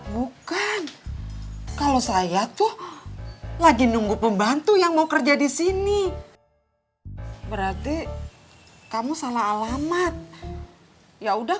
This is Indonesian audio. bukan kalau saya tuh lagi nunggu pembantu yang mau kerja di sini berarti kamu salah alamat ya udah